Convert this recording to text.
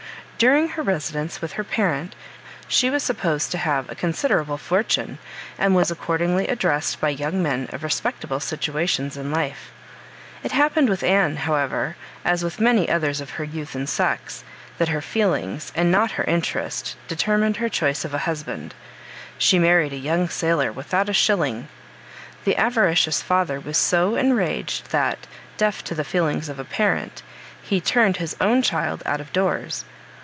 During her residence with her parent she was supposed to have a considerable fortune, and was accordingly addressed by young men of respectable situations in life. It happened with Anne, however, as with many others of her youth and sex, that her feelings, and not her interest, determined her choice of a husband. She married a young sailor without a shilling. The avaricious father was so enraged, that, deaf to the feelings of a parent, he turned his own child out of doors.